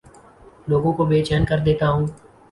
لوگوں کو بے چین کر دیتا ہوں